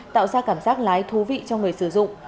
tạo ra cảm giác lái thú vị cho người sử dụng